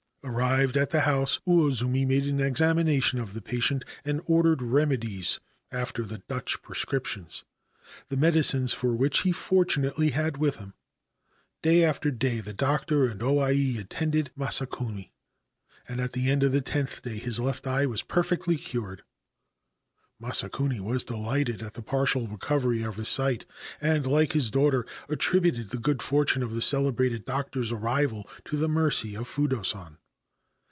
Arrived at the house, Uozumi made an examination of the patient and ordered remedies after the Dutch prescriptions, the medicines for which he fortunately had with him. Day after day the doctor and O Ai attended on Masakuni, and at the end of the tenth day his left eye was perfectly cured. Masakuni was delighted at the partial recovery of his sight, and, like his daughter, attributed the good fortune of the celebrated doctor's arrival to the mercy of Fudo San.